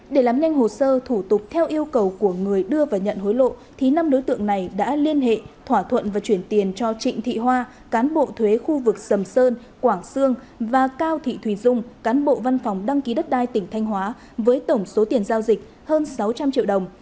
để làm nhanh hồ sơ thủ tục theo yêu cầu của người đưa và nhận hối lộ thì năm đối tượng này đã liên hệ thỏa thuận và chuyển tiền cho trịnh thị hoa cán bộ thuế khu vực sầm sơn quảng sương và cao thị thùy dung cán bộ văn phòng đăng ký đất đai tỉnh thanh hóa với tổng số tiền giao dịch hơn sáu trăm linh triệu đồng